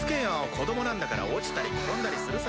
子供なんだから落ちたり転んだりするさ。